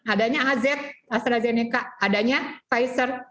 adanya az astrazeneca adanya pfizer